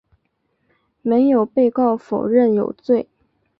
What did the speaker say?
没有被告否认有罪。